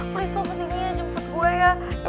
please lo kesini ya jemput gue ya